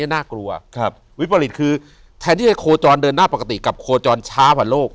น่ากลัววิปริตคือแทนที่จะโคจรเดินหน้าปกติกับโคจรช้ากว่าโลก